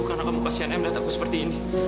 karena kamu kasihan em lihat aku seperti ini